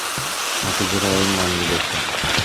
Натыйжада оюн маанилүү болуп калды.